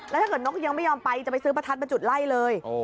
แล้วถ้าเกิดนกยังไม่ยอมไปจะไปซื้อประทัดมาจุดไล่เลย